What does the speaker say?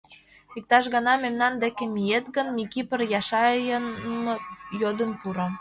Иктаж гана мемнан деке миет гын, Микипыр Яшайым йодын пуро.